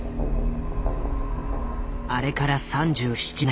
あれから３７年。